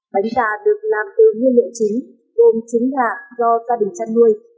bánh gà được làm từ nguyên liệu chính gồm trứng gà do gia đình chăn nuôi